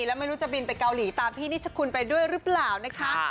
แล้วไม่รู้จะบินไปเกาหลีตามพี่นิชคุณไปด้วยหรือเปล่านะคะ